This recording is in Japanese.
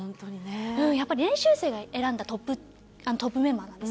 やっぱり練習生が選んだトップメンバーなんですよ。